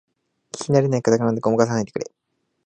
聞きなれないカタカナでごまかさないでくれ